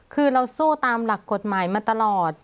คือเราสู้ตามหลักกฎหมายมาตลอด